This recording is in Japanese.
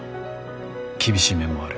厳しい面もある。